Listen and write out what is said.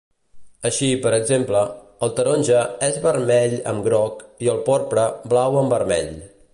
Així, per exemple, el taronja és vermell amb groc i el porpra blau amb vermell.